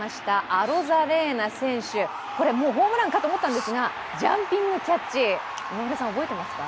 アロザレーナ選手、ホームランかと思ったんですがジャンピングキャッチ、今村さん、覚えてますか。